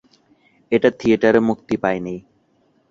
এটা থিয়েটারে মুক্তি পায়নি।